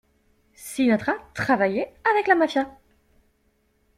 Sinatra travaillait avec la mafia.